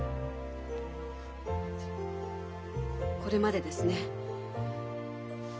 これまでですね。